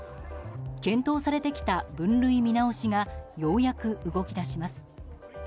検討されてきた分類見直しがようやく動き出します。